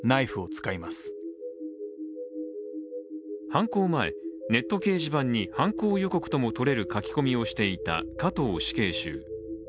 犯行前、ネット掲示板に犯行予告とも取れる書き込みをしていた加藤死刑囚